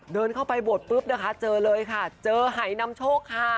เดินเข้าไปบวชปุ๊บนะคะเจอเลยค่ะเจอหายนำโชคค่ะ